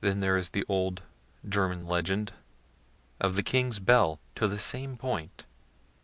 Then there is the old German legend of the king's bell, to the same point.